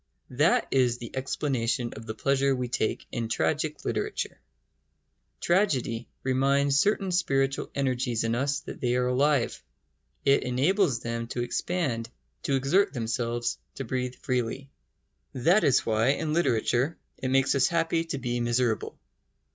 That is the explanation of the pleasure we take in tragic literature. Tragedy reminds certain spiritual energies in us that they are alive. It enables them to expand, to exert themselves, to breathe freely. That is why, in literature, it makes us happy to be miserable.